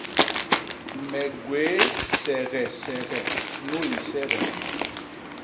Me gwéé segesege nu lisege.